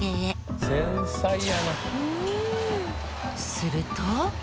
すると。